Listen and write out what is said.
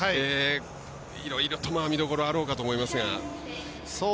いろいろと見どころあろうかと思いますが。